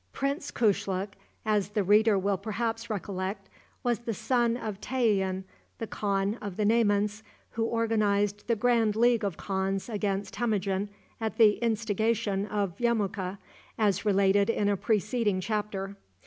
Prince Kushluk, as the reader will perhaps recollect, was the son of Tayian, the khan of the Naymans, who organized the grand league of khans against Temujin at the instigation of Yemuka, as related in a preceding chapter.